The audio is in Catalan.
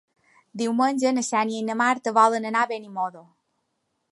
Diumenge na Xènia i na Marta volen anar a Benimodo.